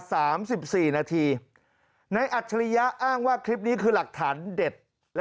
สามสิบสี่นาทีในอัจฉริยะอ้างว่าคลิปนี้คือหลักฐานเด็ดและ